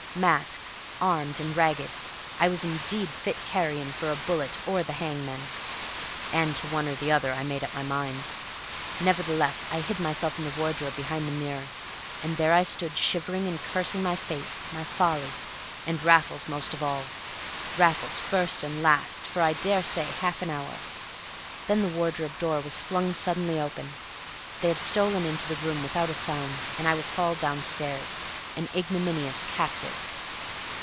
Masked, armed, and ragged, I was indeed fit carrion for a bullet or the hangman, and to one or the other I made up my mind. Nevertheless, I hid myself in the wardrobe behind the mirror; and there I stood shivering and cursing my fate, my folly, and Raffles most of all Raffles first and last for I daresay half an hour. Then the wardrobe door was flung suddenly open; they had stolen into the room without a sound; and I was hauled downstairs, an ignominious captive.